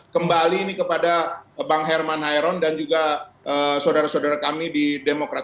kembali ini kepada bang herman hairon dan juga saudara saudara kami di demokrat